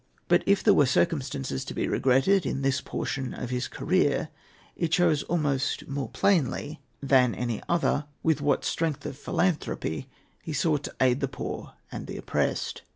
But, if there were circumstances to be regretted in this portion of his career, it shows almost more plainly than any other with what strength of philanthropy he sought to aid the poor and the oppressed.